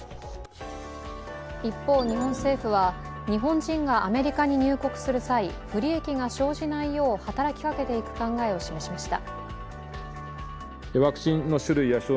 一方、日本政府は、日本人がアメリカに入国する際、不利益が生じないよう、働きかけていく考えを示しました。